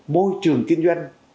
môi trường kinh doanh